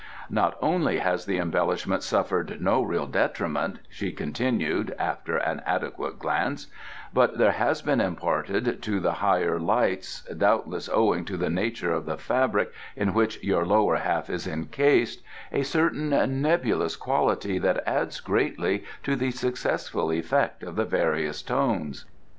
"Not only has the embellishment suffered no real detriment," she continued, after an adequate glance, "but there has been imparted to the higher lights doubtless owing to the nature of the fabric in which your lower half is encased a certain nebulous quality that adds greatly to the successful effect of the various tones."